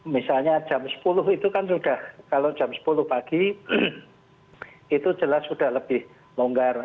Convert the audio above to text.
misalnya jam sepuluh itu kan sudah kalau jam sepuluh pagi itu jelas sudah lebih longgar